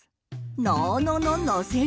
「のーのののせる」。